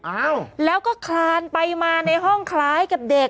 อ้าวแล้วก็คลานไปมาในห้องคล้ายกับเด็ก